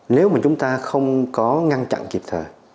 nếu mà chúng ta không có ngăn chặn kịp thời